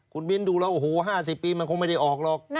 คุณบินดูแล้วโอ้โห๕๐ปีมันคงไม่ได้ออกหรอก